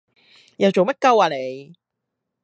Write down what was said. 又做乜鳩呀你？